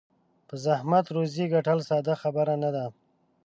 په زحمت روزي ګټل ساده خبره نه ده.